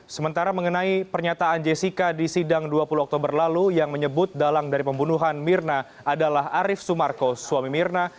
sementara mengenai pernyataan jessica di sidang dua puluh oktober lalu yang menyebut dalang dari pembunuhan mirna adalah arief sumarko suami mirna